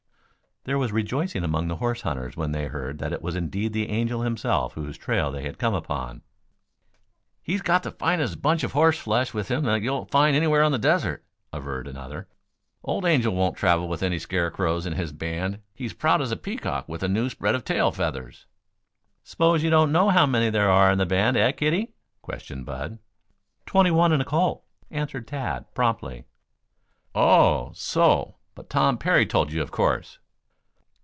There was rejoicing among the horse hunters when they heard that it was indeed the Angel himself whose trail they had come upon. "He's got the finest bunch of horse flesh with him that you'll find anywhere on the desert," averred another. "Old Angel won't travel with any scarecrows in his band. He's proud as a peacock with a new spread of tail feathers." "S'pose you don't know how many there are in the band, eh, kiddie?" questioned Bud. "Twenty one and a colt," answered Tad promptly. "Oho! So but Tom Parry told you, of course."